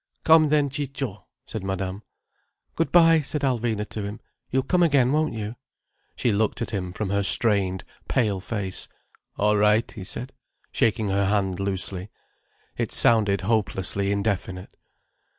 "Come then, Ciccio," said Madame. "Good bye," said Alvina to him. "You'll come again, won't you?" She looked at him from her strained, pale face. "All right," he said, shaking her hand loosely. It sounded hopelessly indefinite.